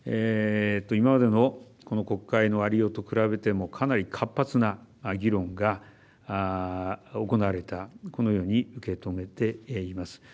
今までのこの国会のありようと比べてもかなり活発な議論が行われたこのように受け止めています。